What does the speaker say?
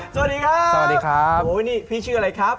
สวัสดีครับโอ้โฮนี่พี่ชื่ออะไรครับ